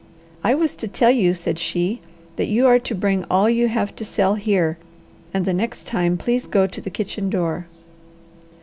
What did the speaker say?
"I was to tell you," said she, "that you are to bring all you have to sell here, and the next time please go to the kitchen door."